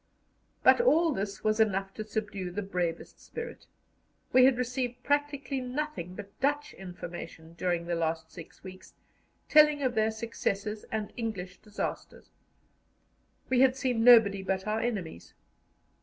But all this was enough to subdue the bravest spirit; we had received practically nothing but Dutch information during the last six weeks, telling of their successes and English disasters; we had seen nobody but our enemies.